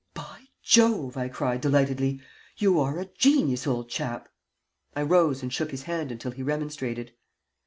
"By Jove!" I cried, delightedly. "You are a genius, old chap." I rose and shook his hand until he remonstrated.